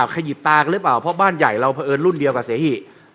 ขยิบตากันหรือเปล่าเพราะบ้านใหญ่เราเผอิญรุ่นเดียวกับเสหิ